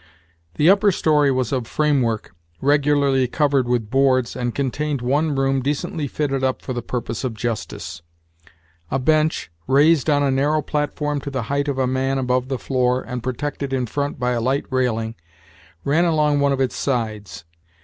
The upper story was of frame work, regularly covered with boards, and contained one room decently fitted up for the purpose of justice. A bench, raised on a narrow platform to the height of a man above the floor, and protected in front by a light railing, ran along one of its sides.